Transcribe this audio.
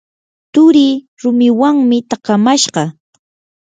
turii rumiwanmi takamashqa.